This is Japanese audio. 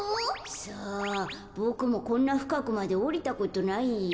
さあボクもこんなふかくまでおりたことないよ。